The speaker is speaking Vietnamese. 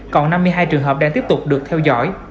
còn năm mươi hai trường hợp đang tiếp tục được theo dõi